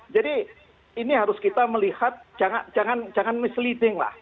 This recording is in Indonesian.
jadi ini harus kita melihat jangan misleading lah